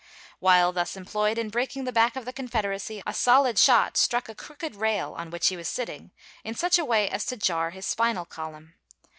While thus employed in breaking the back of the Confederacy, a solid shot struck a crooked rail on which he was sitting, in such a way as to jar his spinal column.